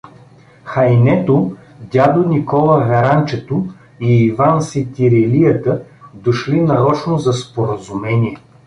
Хаинето, дядо Никола Веранчето и Иван Сетирелията, дошли нарочно за споразумение.